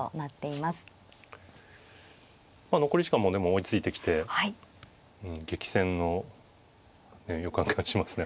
まあ残り時間もでも追いついてきて激戦の予感がしますね。